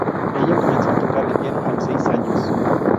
Ella comenzó a tocar el piano a los seis años.